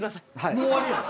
もう終わりなの？